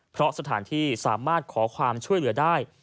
เพราะสถานที่สามารถขอความช่วยเหลือได้